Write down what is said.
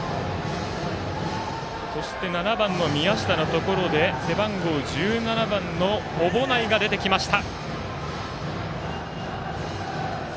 そして、７番の宮下のところで背番号１７番の小保内が出てきました。